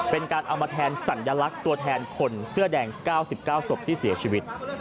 เป็นการเอามาแทนสัญลักษณ์ตัวแทนคนเสื้อแดง๙๙ศพที่เสียชีวิต